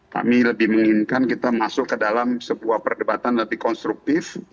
kami lebih menginginkan kita masuk ke dalam sebuah perdebatan lebih konstruktif